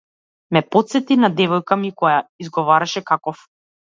Ме потсети на девојка ми која изговараше какоф.